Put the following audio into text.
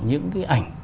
những cái ảnh